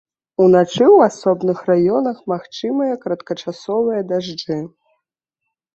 Уначы ў асобных раёнах магчымыя кароткачасовыя дажджы.